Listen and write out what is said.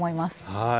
はい。